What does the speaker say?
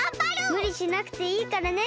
むりしなくていいからね。